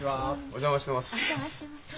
お邪魔してます。